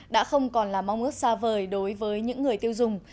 đã không còn là mong ước xa vời đối với những người tiêu dùng